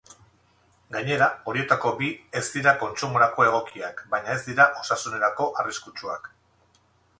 Gainera, horietako bi ez dira kontsumorako egokiak baina ez dira osasunerako arriskutsuak.